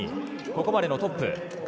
ここまでのトップ。